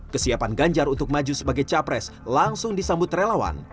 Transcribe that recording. kesiapan ganjar untuk maju sebagai capres langsung disambut relawan